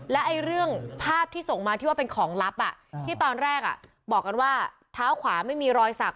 และเรื่องภาพที่ส่งมาที่ว่าเป็นของลับที่ตอนแรกบอกกันว่าเท้าขวาไม่มีรอยสัก